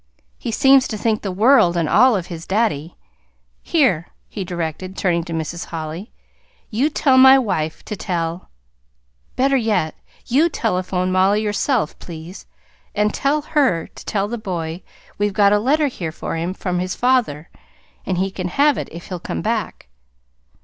He seems to think the world and all of his daddy. Here," he directed, turning to Mrs. Holly, "you tell my wife to tell better yet, you telephone Mollie yourself, please, and tell her to tell the boy we've got a letter here for him from his father, and he can have it if he'll come back.".